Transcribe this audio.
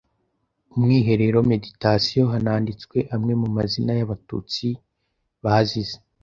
umwiherero meditation hananditswe amwe mu mazina y Abatutsi bazize